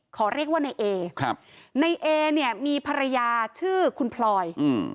ขอเรียกว่าในเอครับในเอเนี่ยมีภรรยาชื่อคุณพลอยอืม